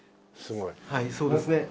はいそうですね